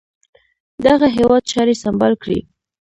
دغه هیواد چاري سمبال کړي.